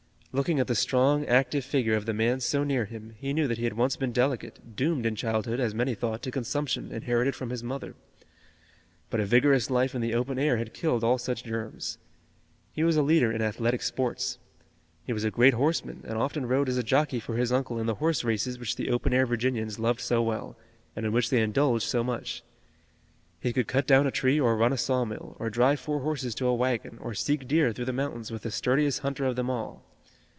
Looking at the strong, active figure of the man so near him he knew that he had once been delicate, doomed in childhood, as many thought, to consumption, inherited from his mother. But a vigorous life in the open air had killed all such germs. He was a leader in athletic sports. He was a great horseman, and often rode as a jockey for his uncle in the horse races which the open air Virginians loved so well, and in which they indulged so much. He could cut down a tree or run a saw mill, or drive four horses to a wagon, or seek deer through the mountains with the sturdiest hunter of them all.